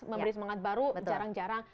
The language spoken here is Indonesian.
memberi semangat baru jarang jarang